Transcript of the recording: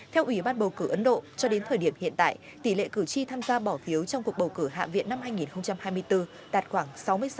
theo ủy ban bầu cử ấn độ cho đến thời điểm hiện tại tỷ lệ cử tri tham gia bỏ phiếu trong cuộc bầu cử hạ viện năm hai nghìn hai mươi bốn đạt khoảng sáu mươi sáu